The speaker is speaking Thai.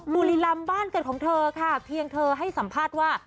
บุรีรำบ้านเกิดของเธอค่ะเพียงเธอให้สัมภาษณ์ว่า